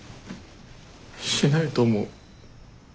しないと思う。